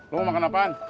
lu mau makan apaan